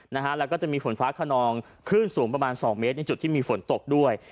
แล้วก็จะมีฝนฟ้าขนองคลื่นสูงประมาณสองเมตรในจุดที่มีฝนตกด้วย